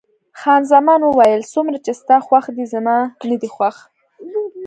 خان زمان وویل: څومره چې ستا خوښ دی، زما نه دی خوښ.